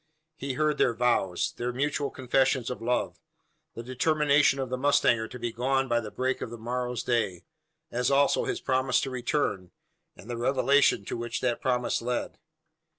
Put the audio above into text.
He heard their vows; their mutual confessions of love; the determination of the mustanger to be gone by the break of the morrow's day; as also his promise to return, and the revelation to which that promise led.